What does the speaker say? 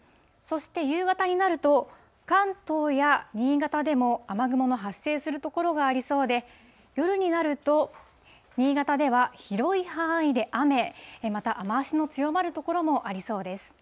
そして夕方になると、関東や新潟でも雨雲の発生する所がありそうで、夜になると新潟では広い範囲で雨、また雨足の強まる所もありそうです。